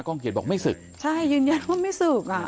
้องเกียจบอกไม่ศึกใช่ยืนยันว่าไม่ศึกอ่ะ